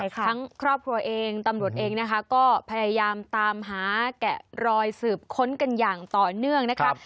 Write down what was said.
ครอบครัวเองตำรวจเองนะคะก็พยายามตามหาแกะรอยสืบค้นกันอย่างต่อเนื่องนะคะ